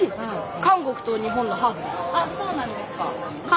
あっそうなんですか。